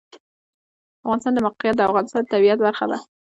د افغانستان د موقعیت د افغانستان د طبیعت برخه ده.